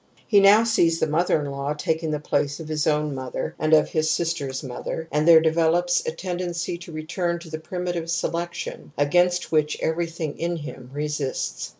^He now sees the mother in law taking the place of his own mother and of his sister's mother, and there develops a tendency to return to the primitive selection, against which everything in him resists.